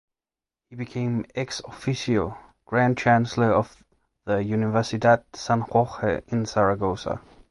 He became "ex officio" Grand Chancellor of the Universidad San Jorge in Zaragoza.